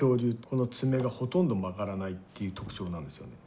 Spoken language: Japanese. この爪がほとんど曲がらないっていう特徴なんですよね。